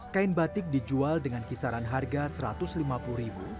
kain batik dijual dengan kisaran harga rp satu ratus lima puluh